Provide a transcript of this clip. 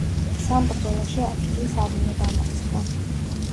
სამ ბრძოლაში ავსტრიის არმია დამარცხდა.